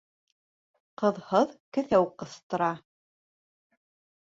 Ҡыҙһыҙ кеҫәү ҡыҫтыра.